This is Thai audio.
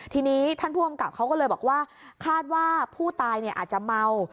ทีนี้ท่านผู้กำกับเขาก็เลยบอกว่าคาดว่าผู้ตายอาจจะเมา